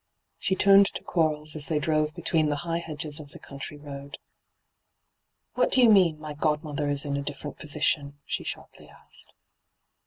She turned to Qoarles as they drove between the high hedges of the country road. * What do you mean — my godmother is in a " different position " V she sharply asked.